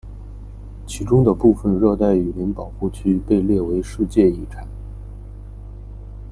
其中的部分热带雨林保护区被列入世界遗产。